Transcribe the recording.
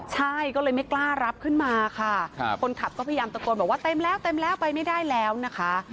ใช่ก็เลยไม่กล้ารับขึ้นมาค่ะคนขับก็พยายามตะโกนบอกว่าเต็มแล้วเต็มแล้วไปไม่ได้แล้วนะคะ